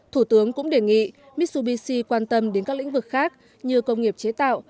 thủ tướng cũng đề nghị mitsubishi quan tâm đến các lĩnh vực khác như công nghiệp chế tạo